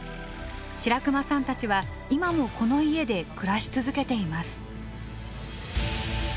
白熊さんたちは今もこの家で暮らし続けています。